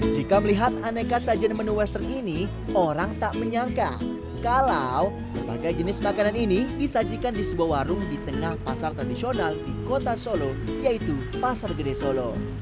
jika melihat aneka sajian menu western ini orang tak menyangka kalau berbagai jenis makanan ini disajikan di sebuah warung di tengah pasar tradisional di kota solo yaitu pasar gede solo